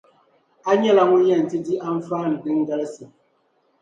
A nyɛla ŋun yɛn ti di anfaani din galisi.